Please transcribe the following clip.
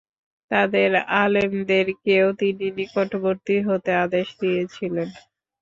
তাদের আলেমদেরকেও তিনি নিকটবর্তী হতে আদেশ দিয়েছিলেন।